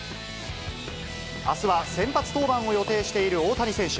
あすは先発登板を予定している大谷選手。